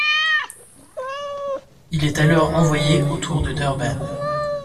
Il est alors envoyé autour de Durban.